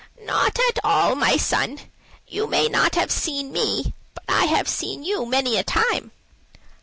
"Not at all, my son. You may not have seen me, but I have seen you many a time."